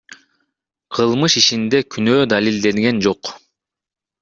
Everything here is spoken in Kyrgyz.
Кылмыш ишинде күнөө далилденген жок.